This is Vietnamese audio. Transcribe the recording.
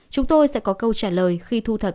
chúng tôi sẽ có câu trả lời khi thu thập